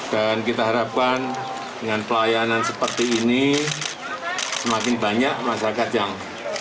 dan kita harapkan dengan pelayanan seperti ini semakin banyak masyarakat yang